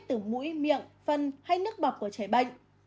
từ mũi miệng phân hay nước bọc của trẻ bệnh